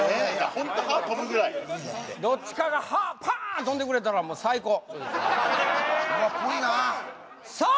ホント歯飛ぶぐらいどっちかが歯パーン飛んでくれたらもう最高うわぽいなさあ